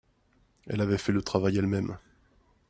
Elle avait fait le travail elle-même.